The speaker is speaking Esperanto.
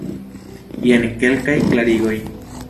Jen kelkaj klarigoj.